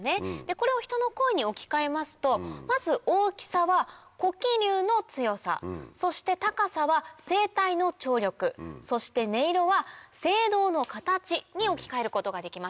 これを人の声に置き換えますとまず大きさは呼気流の強さそして高さは声帯の張力そして音色は声道の形に置き換えることができます。